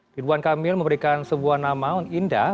ridwan kamil memberikan sebuah nama yang indah